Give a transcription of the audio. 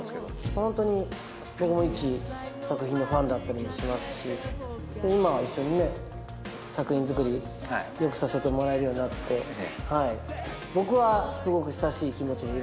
ホントに僕もいち作品のファンだったりもしますし今一緒にね作品作りよくさせてもらえるようになって僕はすごく親しい気持ちでいる。